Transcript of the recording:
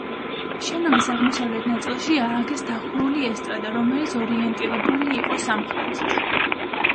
შენობის აღმოსავლეთ ნაწილში ააგეს დახურული ესტრადა, რომელიც ორიენტირებული იყო სამხრეთით.